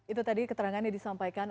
itu tadi keterangan yang disampaikan